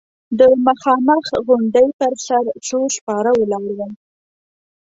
د مخامخ غونډۍ پر سر څو سپاره ولاړ ول.